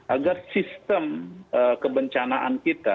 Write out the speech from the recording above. agar sistem kebencanaan kita